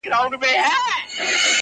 ستا جدايۍ ته به شعرونه ليکم,